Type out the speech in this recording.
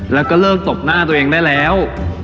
แล้วก็เลิกตบหน้าตัวเองได้แล้ว